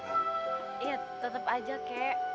iya tetap aja kakek